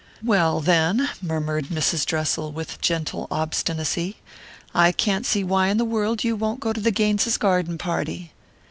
"Well, then," murmured Mrs. Dressel with gentle obstinacy, "I can't see why in the world you won't go to the Gaines's garden party!"